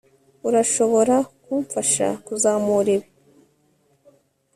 Urashobora kumfasha kuzamura ibi